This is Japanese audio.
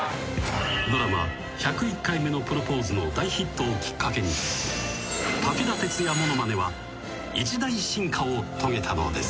［ドラマ『１０１回目のプロポーズ』の大ヒットをきっかけに武田鉄矢ものまねは一大進化を遂げたのです］